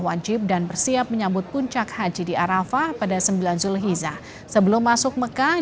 wajib dan bersiap menyambut puncak haji di arafah pada sembilan zulhiza sebelum masuk mekah